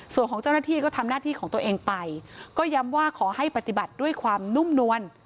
ส่วนของเจ้าหน้าที่ก็ทำหน้าที่ของตัวเองไปก็ย้ำว่าขอให้ปฏิบัติด้วยความนุ่มนวล